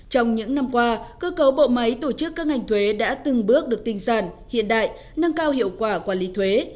trong những năm qua cơ cấu bộ máy tổ chức các ngành thuế đã từng bước được tinh giản hiện đại nâng cao hiệu quả quản lý thuế